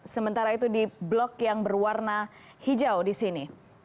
sementara itu di blok yang berwarna hijau di sini